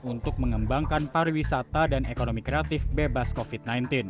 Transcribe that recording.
untuk mengembangkan pariwisata dan ekonomi kreatif bebas covid sembilan belas